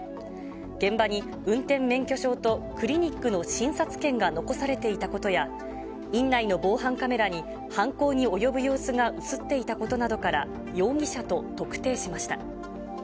現場に運転免許証とクリニックの診察券が残されていたことや、院内の防犯カメラに犯行に及ぶ様子が写っていたことなどから、容疑者と特定しました。